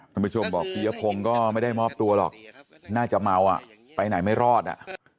ท่านผู้ชมบอกปียพงศ์ก็ไม่ได้มอบตัวหรอกน่าจะเมาอ่ะไปไหนไม่รอดอ่ะ